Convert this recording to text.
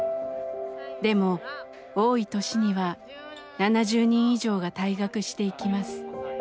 でも多い年には７０人以上が退学していきます。